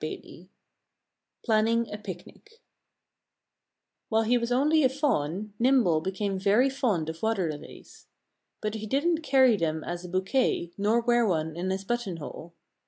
IV PLANNING A PICNIC While he was only a fawn Nimble became very fond of water lilies. But he didn't carry them as a bouquet, nor wear one in his buttonhole.